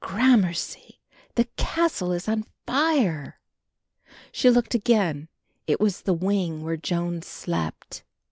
"Gramercy, the castle is on fire." She looked again; it was the wing where Joan slept.